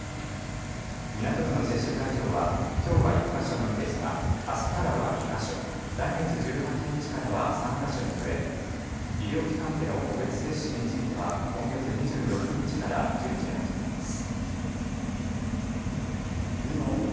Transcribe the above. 港区の接種会場はきょうは１か所のみですがあすからは２か所、来月１８日からは３か所に増え、医療機関での個別接種については今月２６日から順次、始まります。